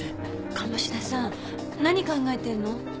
鴨志田さん何考えてるの？